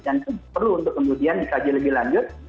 dan itu perlu untuk kemudian dikaji lebih lanjut